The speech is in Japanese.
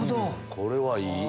これはいい。